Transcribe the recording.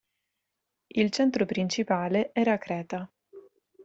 Il centro principale era Creta.